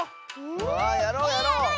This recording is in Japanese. わあやろうやろう！